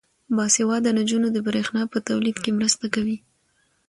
باسواده نجونې د برښنا په تولید کې مرسته کوي.